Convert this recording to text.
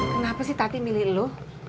kenapa sih tati milih lo